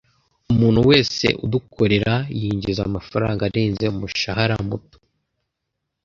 Umuntu wese udukorera yinjiza amafaranga arenze umushahara muto.